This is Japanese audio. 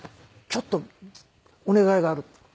ちょっとお願いがある」。